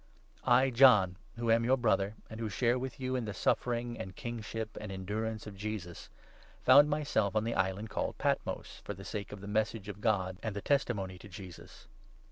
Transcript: I, John, who am your Brother, and who share with you in 9 the suffering and kingship and endurance of Jesus, found my self on the island called Patmos, for the sake of the Message of God and the testimony to Jesus.